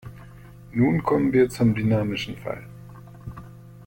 Nun kommen wir zum dynamischen Fall.